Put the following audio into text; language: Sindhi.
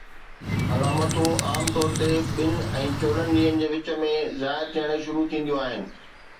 علامتون عام طور تي ٻن ۽ چوڏهن ڏينهن جي وچ ۾ ظاهر ٿيڻ شروع ٿينديون آهن